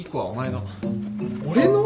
俺の！？